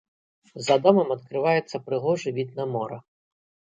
За домам адкрываецца прыгожы від на мора.